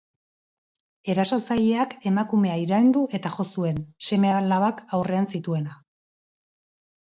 Erasotzaileak emakumea iraindu eta jo zuen, seme-alabak aurrean zituela.